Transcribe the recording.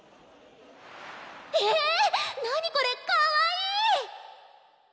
え何これかわいい！